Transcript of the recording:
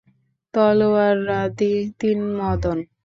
তলোয়ারধারী তিন মদন।